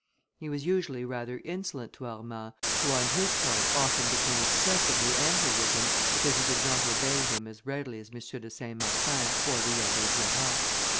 He was usually rather insolent to Armand, who, on his part, often became excessively angry with him, because he did not obey him as readily as M. de Saint Marsin or the Abbé Durand.